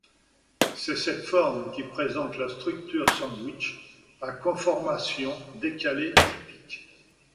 C'est cette forme qui présente la structure sandwich à conformation décalée typique.